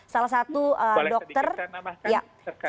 boleh sedikit menambahkan